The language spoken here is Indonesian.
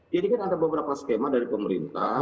jadi kan ada beberapa skema dari pemerintah